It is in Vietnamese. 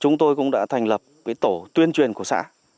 chúng tôi cũng đã thành lập tổ tuyên truyền của xã